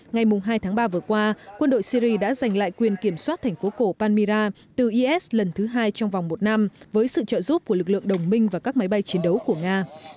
ngày hai tháng ba vừa qua quân đội syri đã giành lại quyền kiểm soát thành phố cổ panira từ is lần thứ hai trong vòng một năm với sự trợ giúp của lực lượng đồng minh và các máy bay chiến đấu của nga